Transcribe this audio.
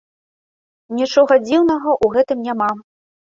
Нічога дзіўнага ў гэтым няма.